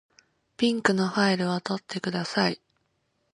ピンクのファイルを取ってください。